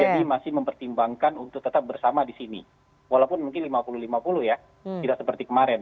jadi masih mempertimbangkan untuk tetap bersama di sini walaupun mungkin lima puluh lima puluh ya tidak seperti kemarin